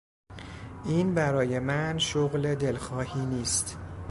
این برای من شغل دلخواهی نیست.